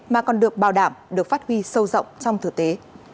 mà còn được bảo đảm được phát huy sâu rộng trong thực tế